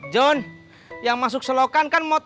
john yang masuk selokan kan mau taruh di rumah lo kan